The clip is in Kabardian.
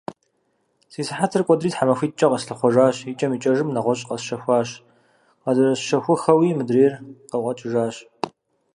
Си сыхьэтыр кӏуэдри, тхьэмахутӏкӏэ къэслъыхъуэжащ. Икӏэм икӏэжым нэгъуэщӏ къэсщэхуащ. Къызэрысщэхуххэуи мыдырейр къыкъуэкӏыжащ.